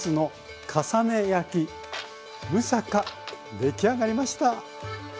出来上がりました。